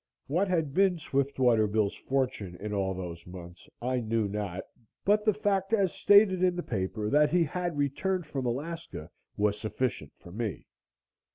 What had been Swiftwater Bill's fortune in all those months, I knew not, but the fact as stated in the paper that he had returned from Alaska was sufficient for me.